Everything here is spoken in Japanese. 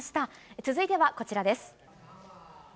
続いてはこちらです。